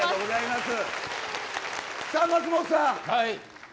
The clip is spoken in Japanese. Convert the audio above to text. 松本さん。